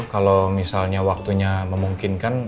kalau misalnya waktunya memungkinkan